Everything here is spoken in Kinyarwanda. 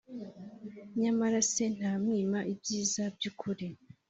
nyamara se ntamwima ibyiza by'ukuri.